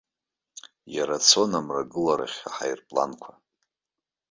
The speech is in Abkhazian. Иара цон амрагыларахь, аҳаирпланқәа.